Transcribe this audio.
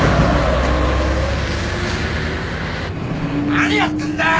何やってんだよ！